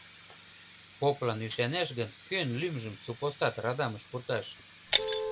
Поплан ӱшанаш гын, кӧн лӱмжым супостат радамыш пурташ?